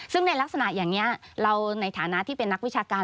ซึ่งในลักษณะอย่างนี้เราในฐานะที่เป็นนักวิชาการ